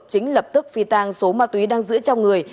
chính lập tức phi tàng số ma túy đang giữ trong người